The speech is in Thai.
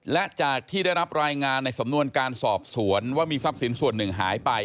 และจากที่ได้รับรายงานในสำนวนการสอบสวนว่ามีทรัพย์สินส่วนหนึ่งหายไป